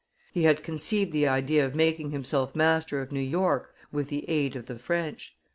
He had conceived the idea of making himself master of New York with the aid of the French.